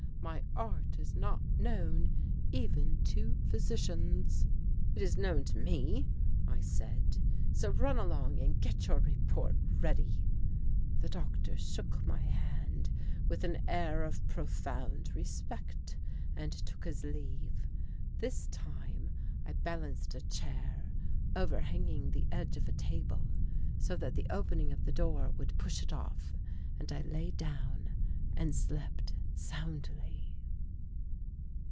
My art is not known even to physicians." "It is known to me," I said, "so run along and get your report ready." The doctor shook my hand with an air of profound respect and took his leave. This time I balanced a chair overhanging the edge of a table so that the opening of the door would push it off, and I lay down and slept soundly.